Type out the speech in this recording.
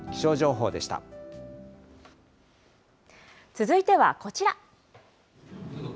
続いてはこちら。